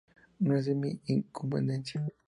No es de mi incumbencia